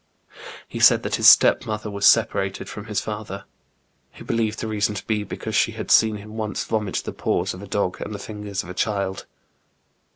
He said that his stepmother was separated from his father. He believed the reason to be, because she had seen him once vomit the paws of a dog and the fingers of a child.